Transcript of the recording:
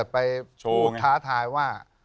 ไปท้าทายว่า